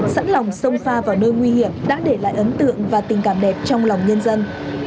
sẵn lòng sông pha vào nơi nguy hiểm đã để lại ấn tượng và tình cảm đẹp trong lòng nhân dân